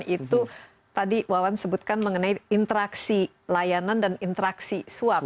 itu tadi wawan sebutkan mengenai interaksi layanan dan interaksi suap